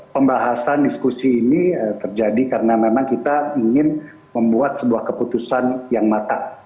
pembahasan diskusi ini terjadi karena memang kita ingin membuat sebuah keputusan yang matang